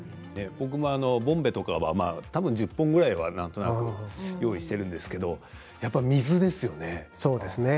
僕はボンベとかは１０本ぐらいたぶん用意しているんですけれどやっぱり水ですよね。